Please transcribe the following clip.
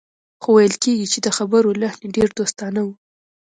خو ویل کېږي چې د خبرو لحن یې ډېر دوستانه و